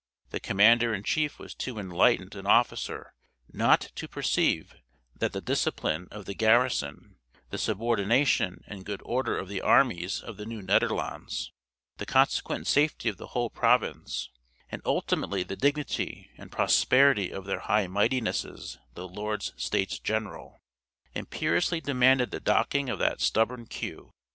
The commander in chief was too enlightened an officer not to perceive that the discipline of the garrison, the subordination and good order of the armies of the Nieuw Nederlands, the consequent safety of the whole province, and ultimately the dignity and prosperity of their High Mightinesses the Lords States General, imperiously demanded the docking of that stubborn queue.